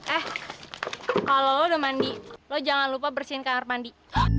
eh kalau lo udah mandi lo jangan lupa bersihin kamar mandi